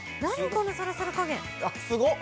このサラサラ加減すごっ！